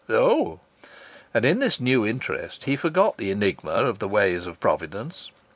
"Oh!" And in this new interest he forgot the enigma of the ways of Providence.